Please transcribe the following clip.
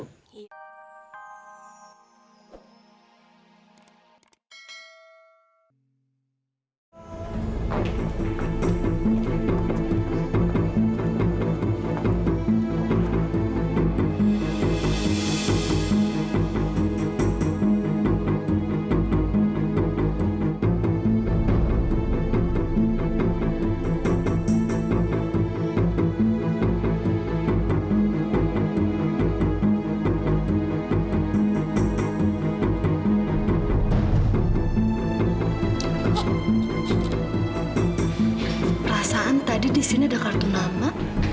perasaan tadi disini ada kartu nama